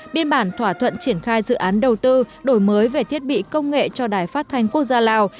biên bản thỏa thuận triển khai dự án đầu tư đổi mới về thiết bị công nghệ cho đài phát thanh quốc gia lào